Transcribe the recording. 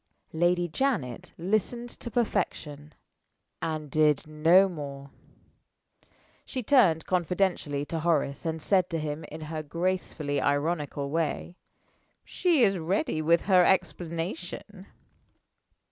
Lady Janet listened to perfection and did no more. She turned confidentially to Horace, and said to him, in her gracefully ironical way: "She is ready with her explanation."